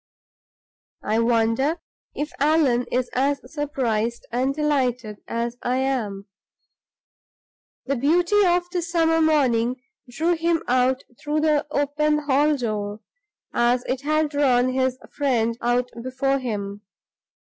I wonder if Allan is as surprised and delighted as I am?" The beauty of the summer morning drew him out through the open hall door, as it had drawn his friend out before him.